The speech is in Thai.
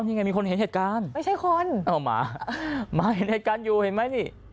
มีคนเห็นเหตุการณ์ไม่ใช่คนหมาเห็นเหตุการณ์อยู่เห็นไหม